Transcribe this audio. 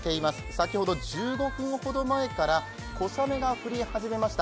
先ほど１５分ほど前から小雨が降り始めました。